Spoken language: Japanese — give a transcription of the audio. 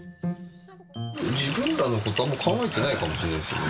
自分らのことはあんまり考えてないかもしれないですよね。